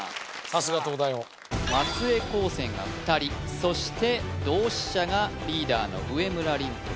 さすが東大王松江高専が２人そして同志社がリーダーの植村倫子